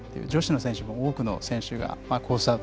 女子の選手も多くの選手がコース